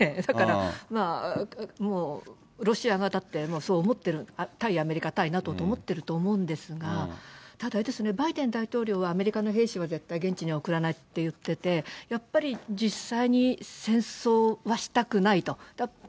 だからまあ、もうロシアがだって、そう思ってる、対アメリカ、対ＮＡＴＯと思ってると思うんですが、ただあれですね、バイデン大統領は、アメリカの兵士は絶対現地に送らないと言っていて、やっぱり実際に戦争はしたくないと。